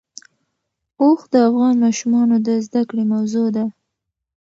اوښ د افغان ماشومانو د زده کړې موضوع ده.